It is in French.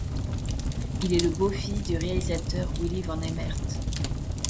Il est le beau-fils du réalisateur Willy van Hemert.